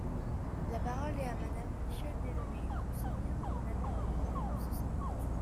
La parole est à Madame Michèle Delaunay, pour soutenir l’amendement numéro six cent huit.